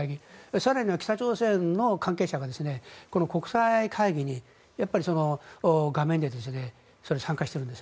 更には北朝鮮の関係者がこの国際会議に画面で参加しているんです。